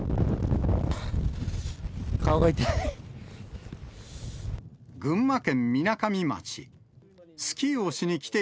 顔が痛い。